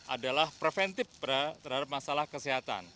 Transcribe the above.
adalah preventif terhadap masalah kesehatan